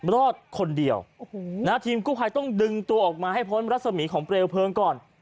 รอดคนเดียวทีมกู้ภัยต้องดึงตัวออกมาให้พ้นรัศมีของเปลวเพลิงก่อน